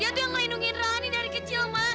dia itu yang melindungi rani dari kecil ma